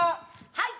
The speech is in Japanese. はい。